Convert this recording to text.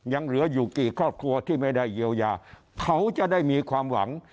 ยังเหลืออยู่กี่ครอบครัวที่ไม่ได้เยียวยาเขาจะได้มีความหวัง